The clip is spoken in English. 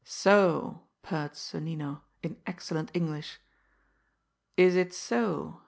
"So!" purred Sonnino, in excellent English. "Is it so!